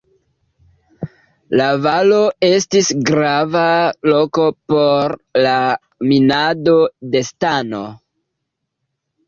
La valo estis grava loko por la minado de stano.